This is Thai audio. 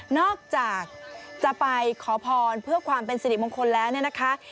นอกจากจะไปขอพรเพื่อความเป็นสิริมงคลแล้วเนี่ยนะคะ